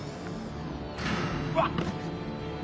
うわっ！